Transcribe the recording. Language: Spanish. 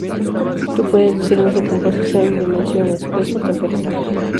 Tú puedes decirme su composición, dimensiones, peso, temperatura.